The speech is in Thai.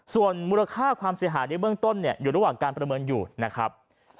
ส่วนมูลค่าความเสียหายในเบื้องต้นเนี่ยอยู่ระหว่างการประเมินอยู่นะครับ